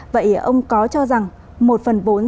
vậy ông có cho rằng một phần vốn